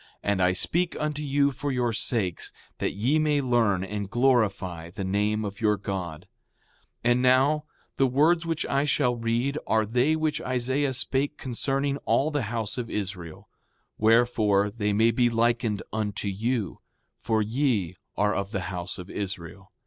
And I speak unto you for your sakes, that ye may learn and glorify the name of your God. 6:5 And now, the words which I shall read are they which Isaiah spake concerning all the house of Israel; wherefore, they may be likened unto you, for ye are of the house of Israel.